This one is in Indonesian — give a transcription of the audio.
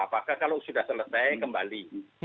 apakah kalau sudah selesai kembali